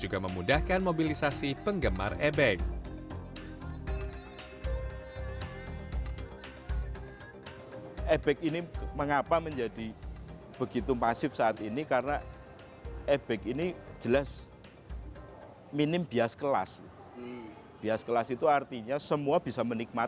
kita hilangkan karena banyak pertentangan